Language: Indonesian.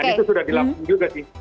dan itu sudah dilakukan juga sih